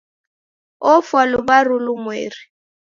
Ofwa luw'aru lumweri.